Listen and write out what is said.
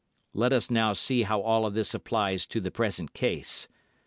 Let us now see how all of this applies to the present case.